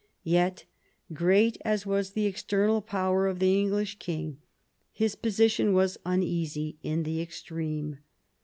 Yet great as was the external power of the English king, his position was uneasy in the extreme.